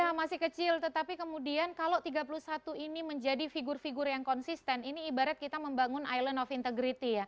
ya masih kecil tetapi kemudian kalau tiga puluh satu ini menjadi figur figur yang konsisten ini ibarat kita membangun island of integrity ya